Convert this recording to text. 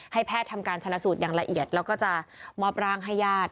แพทย์ทำการชนะสูตรอย่างละเอียดแล้วก็จะมอบร่างให้ญาติ